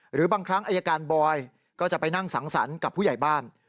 หรือบางครั้งอายการบอยก็จะไปนั่งสังสรรค์กับผู้ใหญ่บ้าน